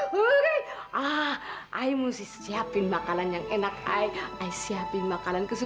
baik baik saya segera kesana pak makasih